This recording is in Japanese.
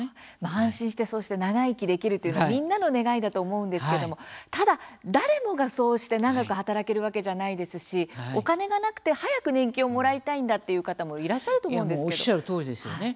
安心して、長生きできるというのはみんなの願いだと思うんですけれどもただ、誰もがそうして長く働けるわけじゃないですしお金がなくて、早く年金をもらいたいんだという方もおっしゃるとおりですよね。